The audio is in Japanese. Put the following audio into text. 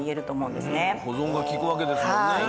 保存が利くわけですもんね。